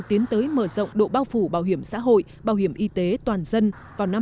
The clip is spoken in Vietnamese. tiến tới mở rộng độ bao phủ bảo hiểm xã hội bảo hiểm y tế toàn dân vào năm hai nghìn hai mươi